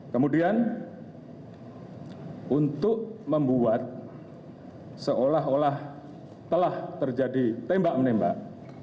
kemudian untuk membuat seolah olah telah terjadi tembak menembak